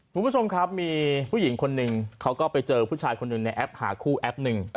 คุณผู้ชมครับมีผู้หญิงคนหนึ่งเขาก็ไปเจอผู้ชายคนหนึ่งในแอปหาคู่แอปหนึ่ง